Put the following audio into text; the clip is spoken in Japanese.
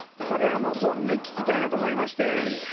これはもう本音聞きたいなと思いまして。